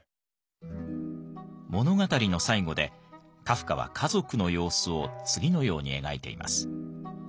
物語の最後でカフカは家族の様子を次のように描いています。